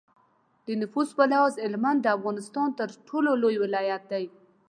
د نفوس په لحاظ هلمند د افغانستان تر ټولو لوی ولایت دی.